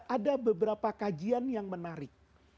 ada beberapa kajian yang menarik